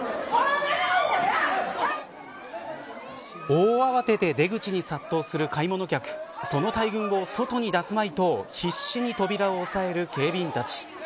大慌てで出口に殺到する買い物客その大群を外に出すまいと必死に扉を押さえる警備員たち。